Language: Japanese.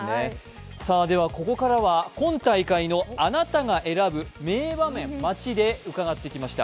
ここからは今大会のあなたが選ぶ名場面街で伺ってきました。